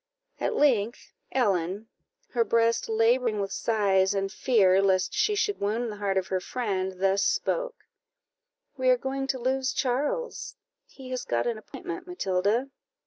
At length, Ellen, her breast labouring with sighs, and fear lest she should wound the heart of her friend, thus spoke: "We are going to lose Charles: he has got an appointment, Matilda."